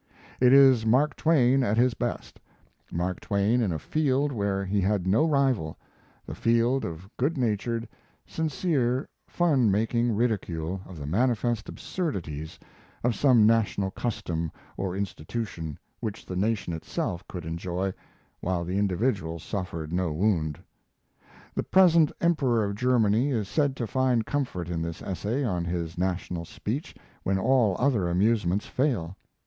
It is Mark Twain at his best; Mark Twain in a field where he had no rival, the field of good natured, sincere fun making ridicule of the manifest absurdities of some national custom or institution which the nation itself could enjoy, while the individual suffered no wound. The present Emperor of Germany is said to find comfort in this essay on his national speech when all other amusements fail.